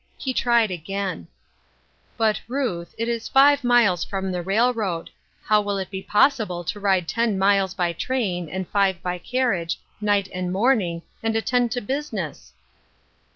He tried again : "But, Ruth, it is five miles from the railroad. How will it be possible to ride ten miles by train, and five by carriage, night and morning, and attend to business